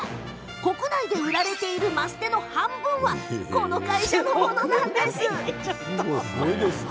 国内で売られているマステの半分はこの会社のものなんです。